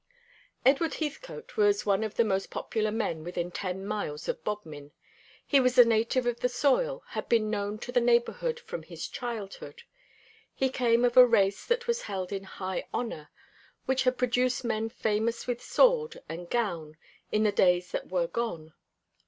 Edward Heathcote was one of the most popular men within ten miles of Bodmin. He was a native of the soil, had been known to the neighbourhood from his childhood. He came of a race that was held in high honour, which had produced men famous with sword and gown in the days that were gone.